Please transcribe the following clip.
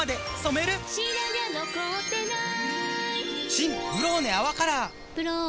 新「ブローネ泡カラー」「ブローネ」